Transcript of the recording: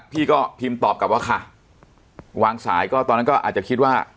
พี่ก็พิมพ์ตอบกลับว่าค่ะวางสายก็ตอนนั้นก็อาจจะคิดว่า